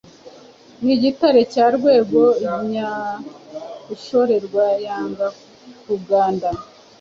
ni igitare cya Rwego nyaushorerwa yanga kuganda ;